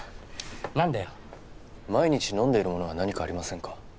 何だよ毎日飲んでいるものは何かありませんか？